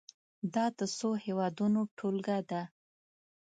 دا د څو هېوادونو ټولګه ده.